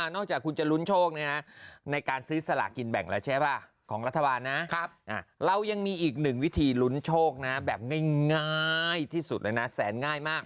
นอกจากคุณจะลุ้นโชคในการซื้อสลากินแบ่งของรัฐบาลเรายังมีอีกหนึ่งวิธีลุ้นโชคแบบง่ายที่สุดแสนง่ายมาก